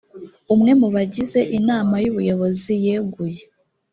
umwe mu bagize inama y ubuyobozi yeguye